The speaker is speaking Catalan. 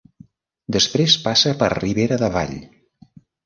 Després passa per Ribera de Vall.